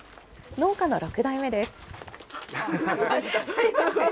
農家の６代目です。